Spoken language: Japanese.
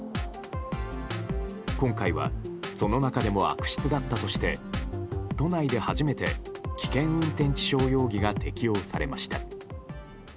今回は、その中でも悪質だったとして都内で初めて危険運転致傷容疑が適用されました。